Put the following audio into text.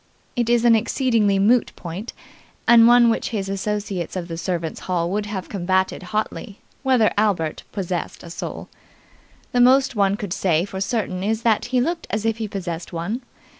It is an exceedingly moot point and one which his associates of the servants' hall would have combated hotly whether Albert possessed a soul. The most one could say for certain is that he looked as if he possessed one.